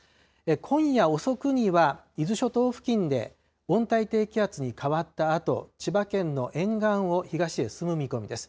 今夜遅くには伊豆諸島付近で温帯低気圧に変わったあと千葉県の沿岸を東へ進む見込みです。